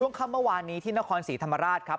ค่ำเมื่อวานนี้ที่นครศรีธรรมราชครับ